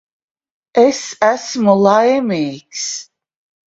Es esmu laimīgs.